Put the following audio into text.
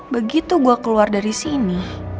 begitu gue keluar dari sini